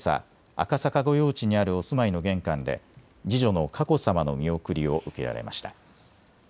赤坂御用地にあるお住まいの玄関で次女の佳子さまの見送りを受けられました。